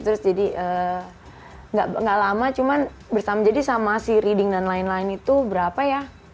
terus jadi gak lama cuman jadi sama si reading dan lain lain itu berapa ya